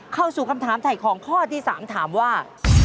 เข้าสู่คำถามถ่ายของข้อที่๓ถามว่า